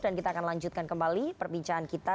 dan kita akan lanjutkan kembali perbincangan kita